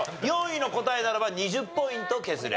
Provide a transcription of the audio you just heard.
４位の答えならば２０ポイント削れる。